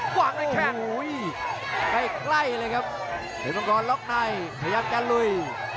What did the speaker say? กว้างกันแค่โอ้โหยใกล้เลยครับเผ็ดมองกรล็อกในพยายามจะลุย